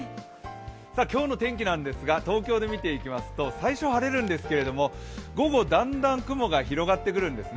今日の天気なんですが、東京で見ていきますと、最初、晴れるんですけど、午後だんだん雲が広がってくるんですね。